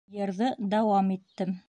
Йырҙы дауам иттем: